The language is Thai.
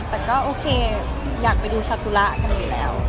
แต่ก็โอเคอยากไปดูสาธุระกันอยู่แล้ว